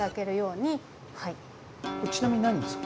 ちなみに何ですか？